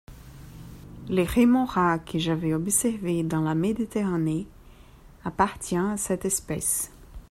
Le rémora, que j'avais observé dans la Méditerranée, appartient à cette espèce.